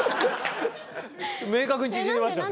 明確に縮みましたね。